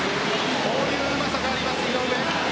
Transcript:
こういううまさがあります、井上。